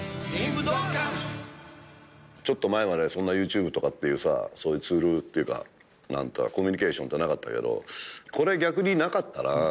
ちょっと前までＹｏｕＴｕｂｅとかっていうそういうツールっていうかコミュニケーションってなかったけどこれ逆になかったら。